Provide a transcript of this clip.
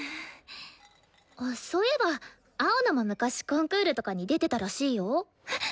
あっそういえば青野も昔コンクールとかに出てたらしいよ。